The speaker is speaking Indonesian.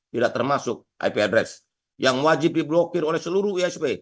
tidak termasuk ip address yang wajib diblokir oleh seluruh isp